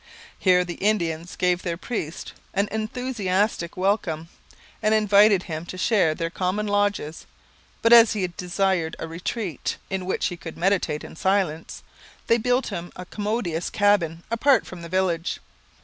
Here the Indians gave the priest an enthusiastic welcome and invited him to share their common lodges; but as he desired a retreat 'in which he could meditate in silence,' they built him a commodious cabin apart from the village.